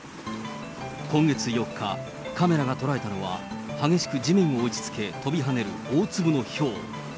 今月４日、カメラが捉えたのは、激しく地面を打ちつけ、跳びはねる大粒のひょう。